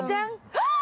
あっ！